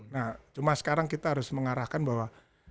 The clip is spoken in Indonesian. nah cuma sekarang kita harus mengarahkan bahwa